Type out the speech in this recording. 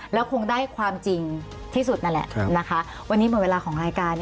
แล้วคงได้ความจริงที่สุดนั่นแหละนะคะวันนี้หมดเวลาของรายการ